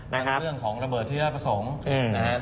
เรื่องของระเบิดที่ราชประสงค์นะครับ